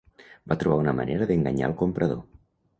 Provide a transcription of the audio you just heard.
Va trobar una manera d'enganyar el comprador.